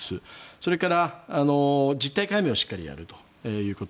それから、実態解明をしっかりやるということ。